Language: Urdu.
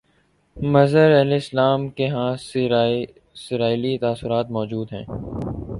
مظہر الاسلام کے ہاں سرئیلی تاثرات موجود ہیں